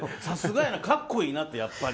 さすがやな、格好いいなって。